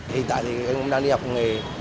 hiện tại thì em cũng đang đi học nghề